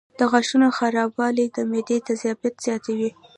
د غاښونو خرابوالی د معدې تیزابیت زیاتوي.